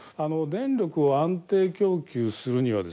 電力を安定供給するにはですね